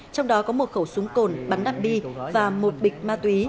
trong đó có một khẩu súng cồn bắn đạn bi và một bịch ma túy